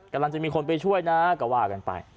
กำลังจะมีคนไปช่วยนะก็ว่ากันไป